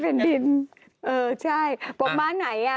เออใช่พวกม้าไหนอ่ะ